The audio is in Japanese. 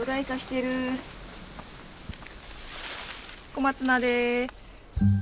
小松菜です。